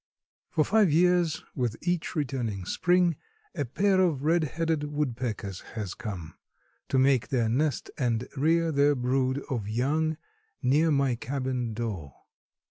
For five years, with each returning spring, a pair of red headed woodpeckers has come, to make their nest and rear their brood of young near my cabin door.